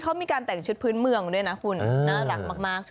เขามีการแต่งชุดพื้นเมืองด้วยนะคุณน่ารักมาก